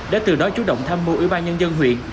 để từ đó chú động tham mưu ủy ban nhân dân huyện